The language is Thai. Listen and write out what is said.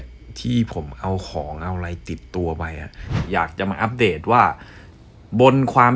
ที่ผมเอาของเอาอะไรติดตัวไปอ่ะอยากจะมาอัปเดตว่าบนความ